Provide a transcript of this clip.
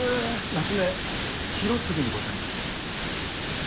夏目広次にございます。